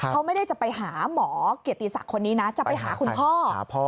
เขาไม่ได้จะไปหาหมอเกียรติศักดิ์คนนี้นะจะไปหาคุณพ่อ